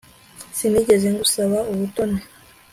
Sinigeze ngusaba ubutoni